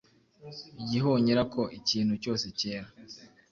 igihunyira ko ikintu cyose cyera.